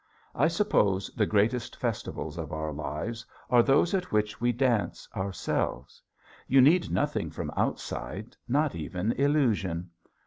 I suppose the greatest festivals of our lives are those at which we dance ourselves. You need nothing from outside, not even illusion.